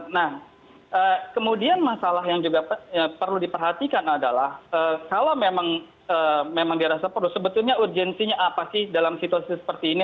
nah kemudian masalah yang juga perlu diperhatikan adalah kalau memang dirasa perlu sebetulnya urgensinya apa sih dalam situasi seperti ini